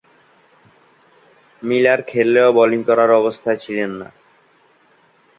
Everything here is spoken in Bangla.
মিলার খেললেও বোলিং করার অবস্থায় ছিলেন না।